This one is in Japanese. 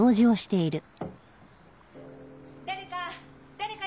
誰か！